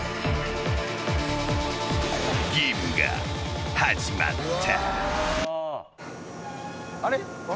ゲームが始まった。